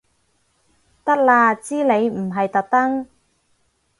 得啦知你唔係特登